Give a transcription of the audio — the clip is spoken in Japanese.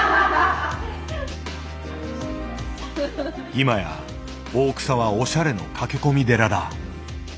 今や大草はおしゃれの駆け込み寺だ。